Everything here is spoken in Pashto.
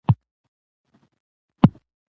لمر نن له وريځو وروسته ډېر روښانه راوخوت